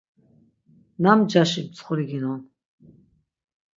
Nam ncaşi mtsxuli ginon?